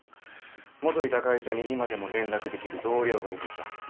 元いた会社に今でも連絡できる同僚がいてさ。